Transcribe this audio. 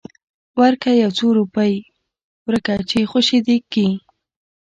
ورکه يو څو روپۍ ورکه چې خوشې دې کي.